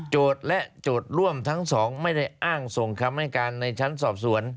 และโจทย์ร่วมทั้งสองไม่ได้อ้างส่งคำให้การในชั้นสอบสวน